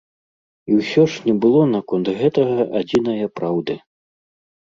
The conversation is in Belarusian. І ўсё ж не было наконт гэтага адзінае праўды.